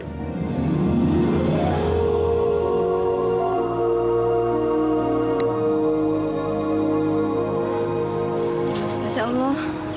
ya masya allah